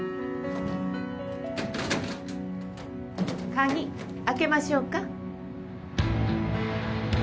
・鍵開けましょうか？